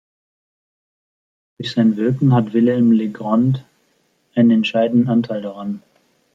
Durch sein Wirken hat Wilhelm Legrand einen entscheidenden Anteil daran.